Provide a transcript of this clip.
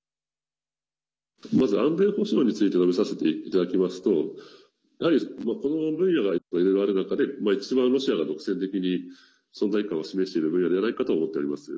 まず安全保障について述べさせていただきますとやはり、分野がいろいろある中で一番ロシアが独占的に存在感を示している分野ではないかと思っております。